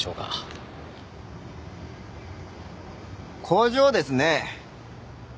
工場ですね。